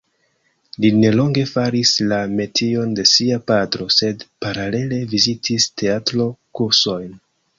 Li nelonge faris la metion de sia patro sed paralele vizitis teatro-kursojn.